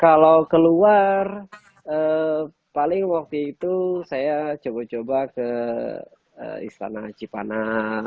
kalau keluar paling waktu itu saya coba coba ke istana cipanah